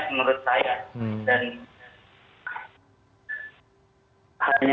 karena tapi untuk lidah orang indonesia